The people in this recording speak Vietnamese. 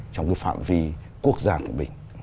trong phạm vi quốc gia của mình